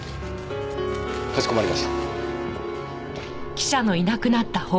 かしこまりました。